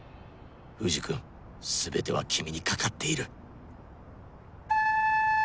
藤君全ては君に懸かっている